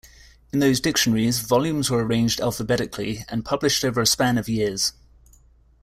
In those dictionaries, volumes were arranged alphabetically and published over a span of years.